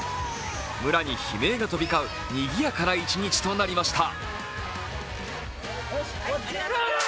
村に悲鳴が飛び交う、にぎやかな一日となりました。